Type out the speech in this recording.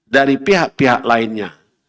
dari pihak pihak lainnya